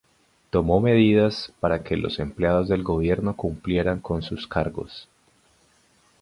Tomó medidas para que los empleados del gobierno cumplieran con sus cargos.